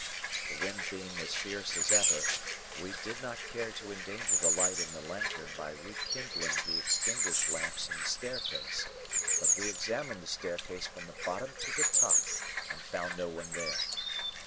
The wind being as fierce as ever, we did not care to endanger the light in the lantern by rekindling the extinguished lamps on the staircase, but we examined the staircase from the bottom to the top and found no one there.